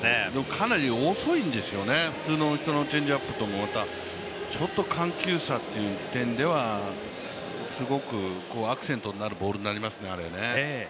かなり遅いんですよね、普通の人のチェンジアップよりもちょっと緩急差という点ではすごくアクセントのあるボールになりますね。